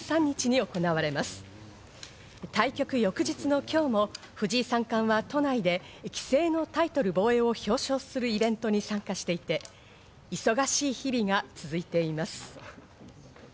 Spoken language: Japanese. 翌日の今日も藤井三冠は都内で棋聖のタイトル防衛を表彰するイベントに参加していて、忙しい日々が続いています。